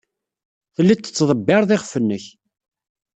Telliḍ tettḍebbireḍ iɣef-nnek.